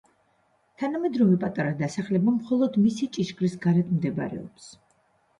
თანამედროვე პატარა დასახლება მხოლოდ მისი ჭიშკრის გარეთ მდებარეობს.